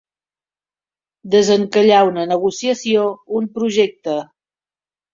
Desencallar una negociació, un projecte.